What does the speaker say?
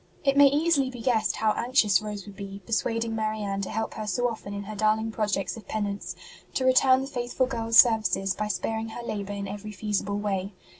It may easily be guessed how anxious Rose would be, persuading Marianne to help her so often in her darling projects of penance, to return the faithful girl s services by sparing her labour in every feasible way.